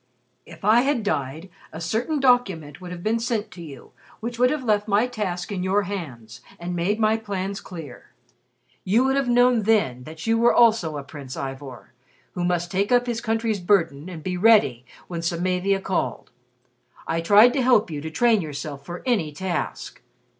If I had died, a certain document would have been sent to you which would have left my task in your hands and made my plans clear. You would have known then that you also were a Prince Ivor, who must take up his country's burden and be ready when Samavia called. I tried to help you to train yourself for any task.